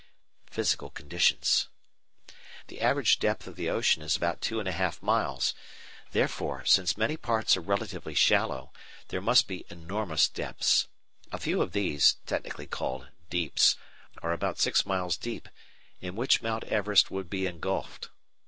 Physical Conditions The average depth of the ocean is about two and a half miles; therefore, since many parts are relatively shallow, there must be enormous depths. A few of these, technically called "deeps," are about six miles deep, in which Mount Everest would be engulfed.